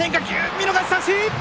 見逃し三振！